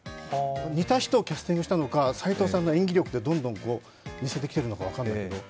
似た人をキャスティングしたのか、斎藤さんがどんどん似せてきているのか分からないんですけど